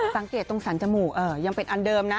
สังเกตตรงสรรจมูกยังเป็นอันเดิมนะ